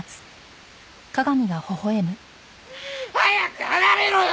早く離れろよ！